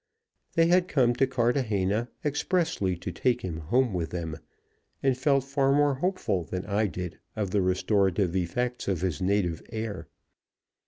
They had come to Cartagena expressly to take him home with them, and felt far more hopeful than I did of the restorative effects of his native air.